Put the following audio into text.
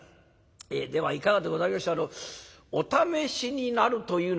えではいかがでございましょうお試しになるというのは？」。